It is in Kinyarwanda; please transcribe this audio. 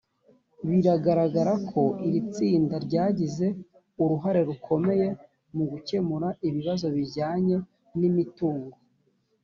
biragaragara ko iri tsinda ryagize uruhare rukomeye mu gukemura ibibazo bijyanye n imitungo